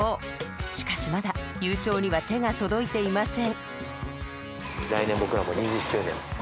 しかしまだ優勝には手が届いていません。